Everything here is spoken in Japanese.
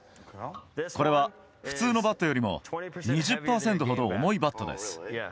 これは普通のバットよりも２０％ほど重いバットです。